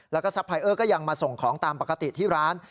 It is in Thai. แล้วก็ซัพยเออร์ก็ยังมาส่งของตามปกติที่ร้าน